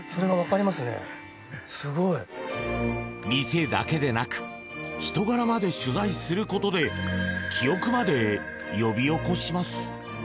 店だけでなく人柄まで取材することで記憶まで呼び起こします。